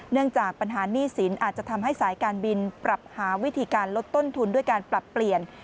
เนื่องจากปัญหาหนี้สินอาจจะทำให้สายการบินปรับหาวิธีการลดต้นทุนด้วยการปรับเปลี่ยน